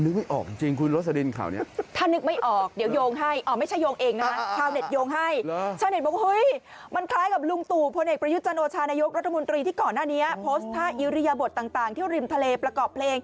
แล้วคนกดไลค์กดถูกใจเยอะมาก